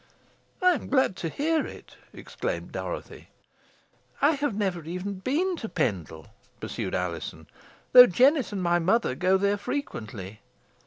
"I am glad to hear it," exclaimed Dorothy. "I have never even been to Pendle," pursued Alizon, "though Jennet and my mother go there frequently.